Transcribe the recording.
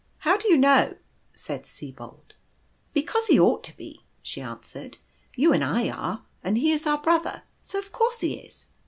" How do you know ?" said Sibold. " Because he ought to be," she answered. " You and I are, and he is our brother, so of course he is."